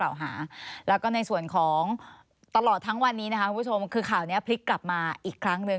แล้วก็ในส่วนของตลอดทั้งวันนี้นะคะคุณผู้ชมคือข่าวนี้พลิกกลับมาอีกครั้งหนึ่ง